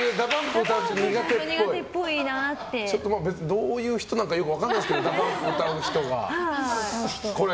どういう人なのかよく分からないですけどＤＡＰＵＭＰを歌う人が。